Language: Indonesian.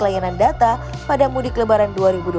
pada tahun ini mudik kelebaran dua ribu dua puluh dua